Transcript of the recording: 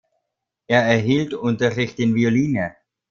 Er erhielt Unterricht in Violine.